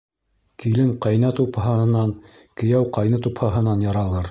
Килен ҡәйнә тупһаһынан, кейәү ҡайны тупһаһынан яралыр.